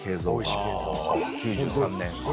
９３年。